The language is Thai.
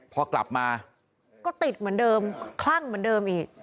พอกลับมาก็ติดเหมือนเดิมคลั่งเหมือนเดิมอีก